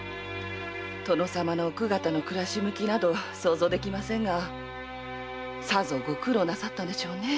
殿様の奥方の暮らし向きなど想像できませんがさぞご苦労なさったんでしょうね。